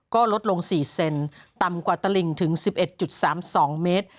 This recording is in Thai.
ก็ลดลง๔เซนต่ำกว่าตลิงถึง๑๑๓๒เมตร